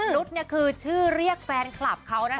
นุษย์คือชื่อเรียกแฟนคลับเขานะคะ